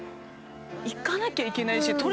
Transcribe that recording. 行かなきゃいけないし。